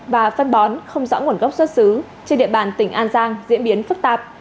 và phân bón không rõ nguồn gốc xuất xứ trên địa bàn tỉnh an giang diễn biến phức tạp